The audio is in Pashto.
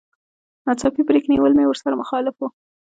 ناڅاپي بريک نيول مې ورسره مخالف و.